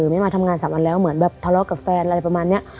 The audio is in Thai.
ไม่มาทำงาน๓วันแล้วเหมือนแบบทะเลาะกับแฟนอะไรประมาณนี้